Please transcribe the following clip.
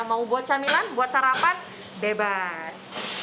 mau buat camilan buat sarapan bebas